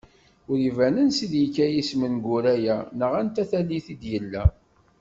Ur iban ansi d-yekka yisem n Guraya neɣ anta tallit i d-yella.